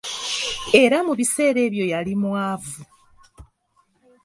Era mu biseera ebyo yali mwavu.